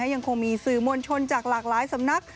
ยังคงมีสื่อมวลชนจากหลากหลายสำนัก